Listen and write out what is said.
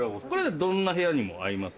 どんな部屋にも合います。